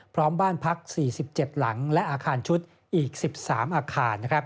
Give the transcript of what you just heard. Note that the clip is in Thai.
พร้อมบ้านพัก๔๗หลังและอาคารชุดอีก๑๓อาคาร